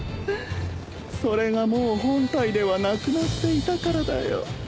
それがもう本体ではなくなっていたからだよ。